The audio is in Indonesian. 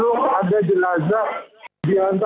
lapas kelas satu tangerang